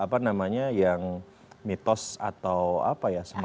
ada yang namanya yang mitos atau apa ya semacamnya